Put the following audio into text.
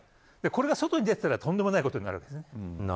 これが外に出てたらとんでもないことになるわけです。